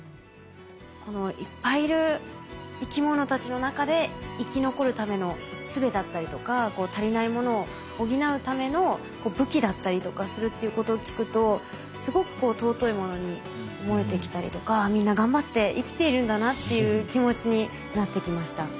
このいっぱいいる生き物たちの中で生き残るためのすべだったりとか足りないものを補うための武器だったりとかするっていうことを聞くとすごく尊いものに思えてきたりとかみんな頑張って生きているんだなっていう気持ちになってきました。